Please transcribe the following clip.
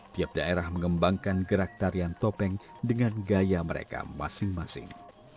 tiap daerah mengembangkan gerak tarian topeng dengan gaya mereka masing masing